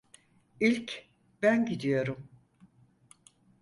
İlk ben gidiyorum.